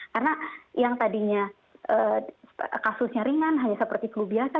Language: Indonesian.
karena yang tadinya kasusnya ringan hanya seperti flu biasa